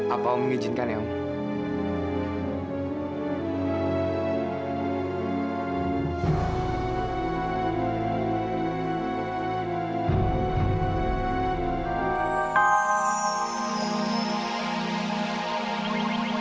apa om mengizinkan ya om